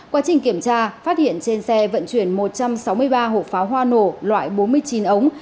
quá trình kiểm tra phát hiện trên xe vận chuyển một trăm sáu mươi ba hộp pháo hoa nổ loại bốn mươi chín ống